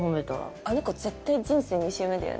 あの子絶対人生２周目だよね。